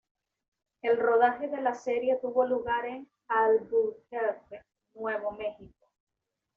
El rodaje de la serie tuvo lugar en Albuquerque, Nuevo Mexico.